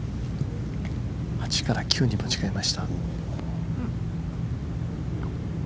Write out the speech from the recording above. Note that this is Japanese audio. ８から９に持ち替えました。